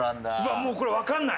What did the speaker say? もうこれわかんない！